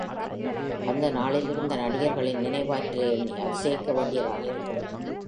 அந்த நாளிலிருந்த நடிகர்களின் நினைவாற்றலை எண்ணி அதிசயிக்கவேண்டியதாக இருக்கிறது.